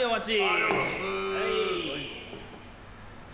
ありがとうございます。